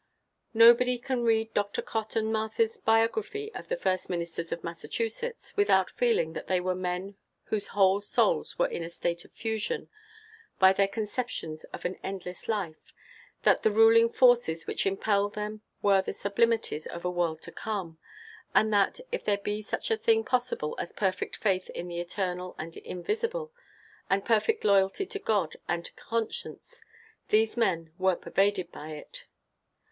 Nobody can read Dr. Cotton Mather's biography of the first ministers of Massachusetts without feeling that they were men whose whole souls were in a state of fusion, by their conceptions of an endless life; that the ruling forces which impelled them were the sublimities of a world to come; and that, if there be such a thing possible as perfect faith in the eternal and invisible, and perfect loyalty to God and to conscience, these men were pervaded by it.